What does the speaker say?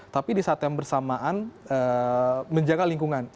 tapi di saat yang bersamaan menjaga lingkungan